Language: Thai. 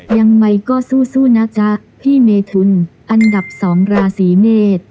ยังไงก็สู้นะจ๊ะพี่เมทุนอันดับ๒ราศีเมษ